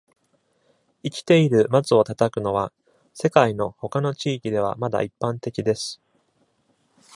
生きているマツを叩くのは、世界の他の地域ではまだ一般的です。